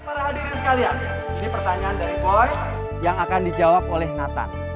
para hadirin sekalian ini pertanyaan dari pon yang akan dijawab oleh nathan